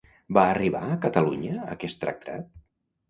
Va arribar a Catalunya aquest tractat?